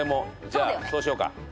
じゃあそうしようか。